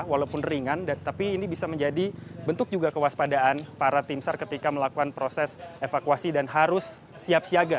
walaupun ringan tapi ini bisa menjadi bentuk juga kewaspadaan para tim sar ketika melakukan proses evakuasi dan harus siap siaga